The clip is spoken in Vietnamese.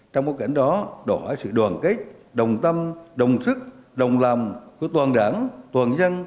trong bối cảnh đó đòi hỏi sự đoàn kết đồng tâm đồng sức đồng lòng của toàn đảng toàn dân